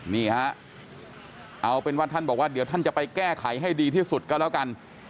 นี่ฮะเอาเป็นว่าท่านบอกว่าเดี๋ยวท่านจะไปแก้ไขให้ดีที่สุดก็แล้วกัน